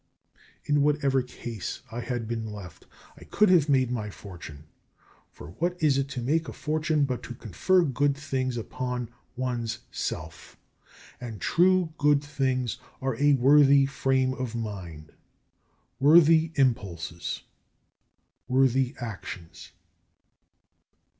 In whatever case I had been left I could have made my fortune: for what is it to make a fortune but to confer good things upon one's self; and true good things are a worthy frame of mind, worthy impulses, worthy actions.